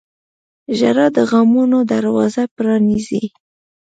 • ژړا د غمونو دروازه پرانیزي.